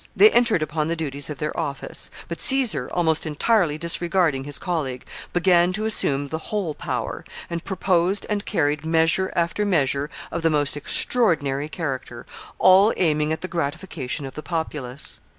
They entered upon the duties of their office; but Caesar, almost entirely disregarding his colleague, began to assume the whole power, and proposed and carried measure after measure of the most extraordinary character, all aiming at the gratification of the populace.